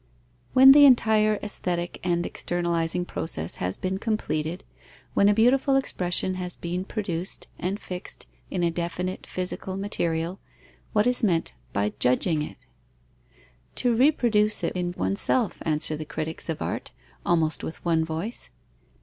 _ When the entire aesthetic and externalizing process has been completed, when a beautiful expression has been produced and fixed in a definite physical material, what is meant by judging it? To reproduce it in oneself, answer the critics of art, almost with one voice.